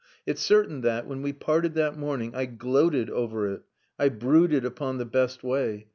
It's certain that, when we parted that morning, I gloated over it. I brooded upon the best way.